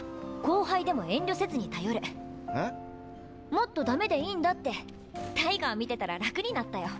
もっとダメでいいんだってタイガー見てたら楽になったよ。